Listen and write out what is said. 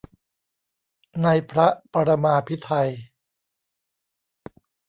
ในพระปรมาภิไธย